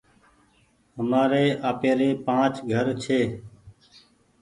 همآري آپيري پآنچ گهر ڇي۔